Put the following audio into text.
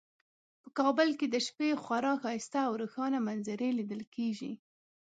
په کابل کې د شپې خورا ښایسته او روښانه منظرې لیدل کیږي